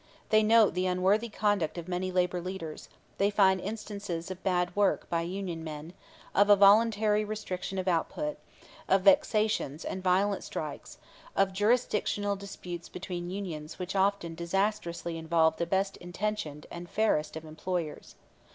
They note the unworthy conduct of many labor leaders, they find instances of bad work by union men, of a voluntary restriction of output, of vexations and violent strikes, of jurisdictional disputes between unions which often disastrously involve the best intentioned and fairest of employers.